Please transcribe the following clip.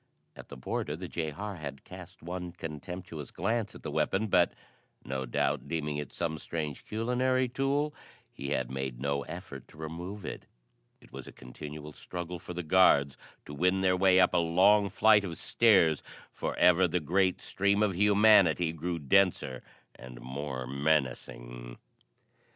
At the border the jehar had cast one contemptuous glance at the weapon, but, no doubt deeming it some strange culinary tool, he had made no effort to remove it. It was a continual struggle for the guards to win their way up a long flight of stairs, for ever the great stream of humanity grew denser and more menacing.